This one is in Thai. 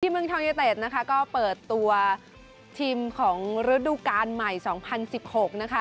ทีมเมืองท้องเยเตศก็เปิดตัวทีมของฤดูการใหม่๒๐๑๖นะคะ